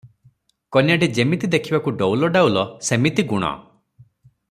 କନ୍ୟାଟି ଯେମିତି ଦେଖିବାକୁ ଡଉଲ ଡାଉଲ, ସେମିତି ଗୁଣ ।